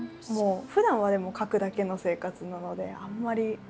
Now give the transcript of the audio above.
ふだんはでも書くだけの生活なのであんまり。